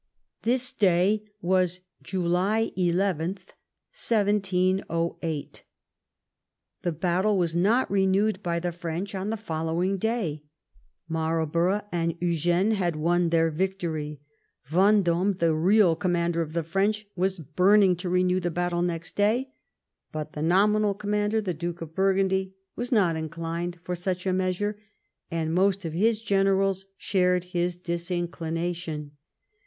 This day was «•• 858 2/ THE BEI6N OF QUEEN ANNE July 11, 1708. The battle was not renewed by the French on the following day — ^Marlborough and Eu gene had won their victory, Vendome, the real com mander of the French, was burning to rene'w the bat tle next day, but the nominal commander, the Dnke of Burgundy, was not inclined for such a measure, and most of his generals shared his disinclination.